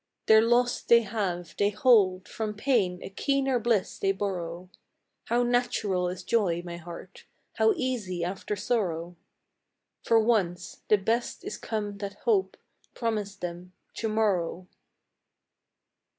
Their lost they have, they hold ; from pain A keener bliss they borrow, How natural is joy, my heart! How easy after sorrow ! For once, the best is come that hope Promised them "to morrow."